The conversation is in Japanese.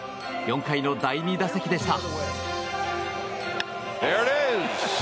４回の第２打席でした。